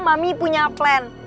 mami punya plan